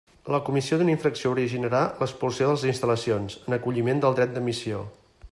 La comissió d'una infracció originarà l'expulsió de les instal·lacions, en acolliment del dret d'admissió.